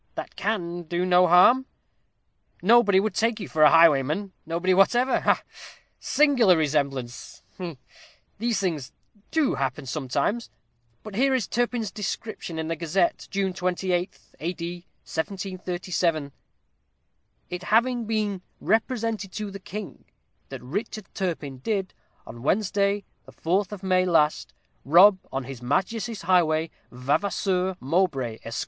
That can do no harm. Nobody would take you for a highwayman nobody whatever ha! ha! Singular resemblance he he. These things do happen sometimes: not very often, though. But here is Turpin's description in the Gazette, June 28th, A.D. 1737: '_It having been represented to the King that Richard Turpin did, on Wednesday, the 4th of May last, rob on his Majesty's highway Vavasour Mowbray, Esq.